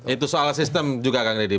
itu soal sistem juga kang deddy